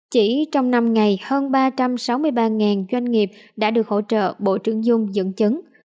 chỉ trong năm ngày hơn ba trăm sáu mươi ba doanh nghiệp đã được hỗ trợ bộ trưởng dung dẫn chứng